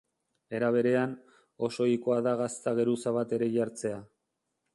Era berean, oso ohikoa da gazta geruza bat ere jartzea.